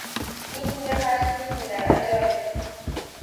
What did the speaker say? Mitingga qarshi mitinglar. Ajoyib.